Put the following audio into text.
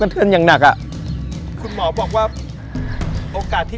จนถึงวันนี้มาม้ามีเงิน๔ปี